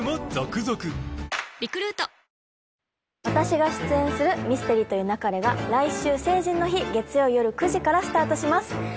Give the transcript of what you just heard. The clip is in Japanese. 私が出演する『ミステリと言う勿れ』が来週成人の日月曜夜９時からスタートします。